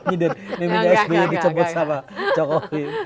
mimpinya sbi dicemput sama cokohi